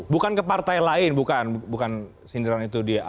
bukan ke partai lain bukan sindiran itu dia